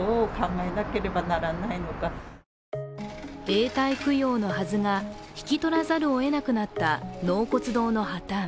永代供養のはずが引き取らざるをえなくなった納骨堂の破たん。